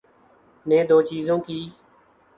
‘نے دوچیزیں کیں۔